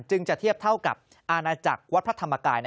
จะเทียบเท่ากับอาณาจักรวัดพระธรรมกาย